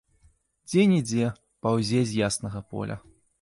Дзень ідзе, паўзе з яснага поля.